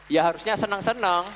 ya harusnya seneng seneng